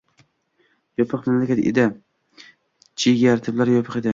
yopiq mamlakat edi: chegaralari yopiq edi